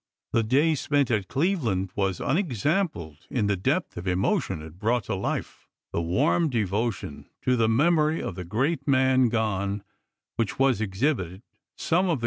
The day spent at Cleveland was unexampled in the depth of emotion it brought to life, the warm devotion to the memory of the great man gone which was exhibited ; some of the Vol.